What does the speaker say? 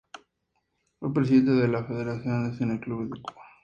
Fue presidente de la Federación de Cine Clubes de Cuba.